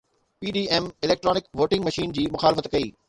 PDM electronic voting machine جي مخالفت ڪئي